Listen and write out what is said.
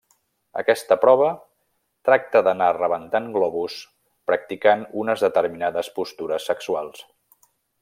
Aquesta prova tracta d'anar rebentant globus practicant unes determinades postures sexuals.